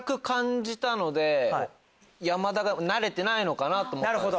山田が慣れてないのかなと思ったんですよ。